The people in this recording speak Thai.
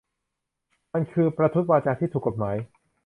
มันคือ "'ประทุษวาจา' ที่ถูกกฎหมาย"